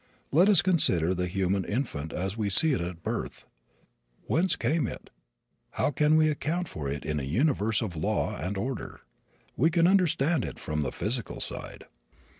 Let us consider the human infant as we see it at birth. Whence came it how can we account for it in a universe of law and order? We can understand it from the physical side.